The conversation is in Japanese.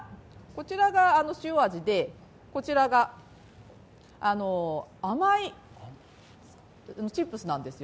こちらが塩味で、こちらが甘いチップスなんですよ。